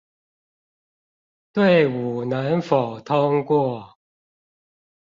隊伍能否通過